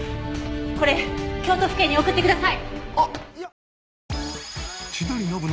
これ京都府警に送ってください！